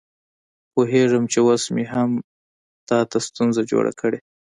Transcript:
پوهېږم چې اوس مې هم تا ته ستونزه جوړه کړې.